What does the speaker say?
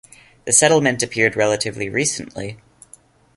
The settlement appeared relatively recently.